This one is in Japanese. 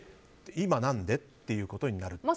今何で？ということになると。